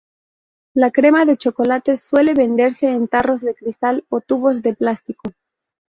La crema de chocolate suele venderse en tarros de cristal o tubos de plástico.